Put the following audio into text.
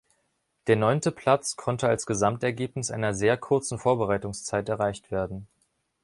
Der neunte Platz konnte als Gesamtergebnis einer sehr kurzen Vorbereitungszeit erreicht werden.